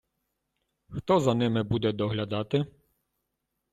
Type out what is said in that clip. Хто за ними буде доглядати?